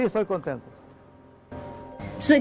tôi rất vui